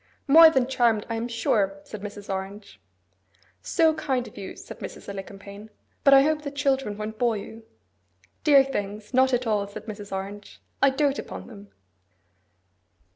'More than charmed, I am sure!' said Mrs. Orange. 'So kind of you!' said Mrs. Alicumpaine. 'But I hope the children won't bore you?' 'Dear things! Not at all,' said Mrs. Orange. 'I dote upon them.